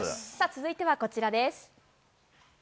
続いてはこちらです。